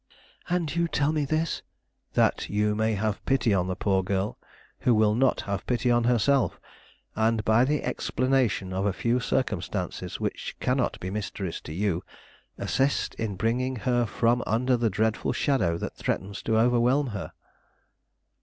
"And you tell me this " "That you may have pity on the poor girl, who will not have pity on herself, and by the explanation of a few circumstances, which cannot be mysteries to you, assist in bringing her from under the dreadful shadow that threatens to overwhelm her."